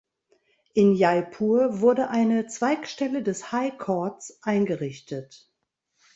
In Jaipur wurde eine Zweigstelle des "High Courts" eingerichtet.